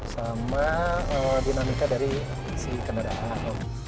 sama dinamika dari si kendaraan